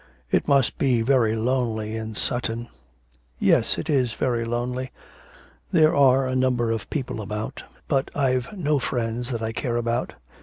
'It must be very lonely in Sutton.' 'Yes, it is very lonely. There are a number of people about, but I've no friends that I care about.